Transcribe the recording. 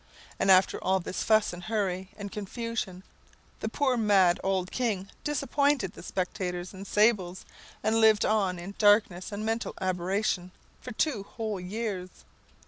And after all this fuss, and hurry, and confusion, the poor mad old king disappointed the speculators in sables, and lived on in darkness and mental aberration for two whole years.